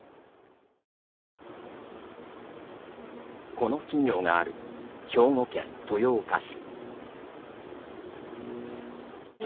この企業がある兵庫県豊岡市。